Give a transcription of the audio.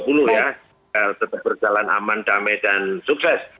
terus kita tetap berjalan aman damai dan sukses